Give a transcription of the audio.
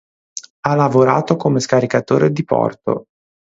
Ha lavorato come scaricatore di porto.